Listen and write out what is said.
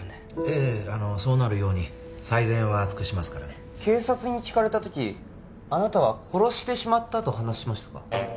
ええそうなるように最善は尽くしますからねはい警察に聞かれたときあなたは「殺してしまった」と話しましたか？